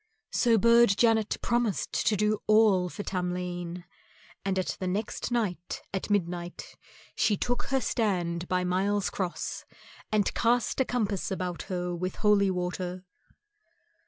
So Burd Janet promised to do all for Tamlane, and next night at midnight she took her stand by Miles Cross and cast a compass round her with holy water.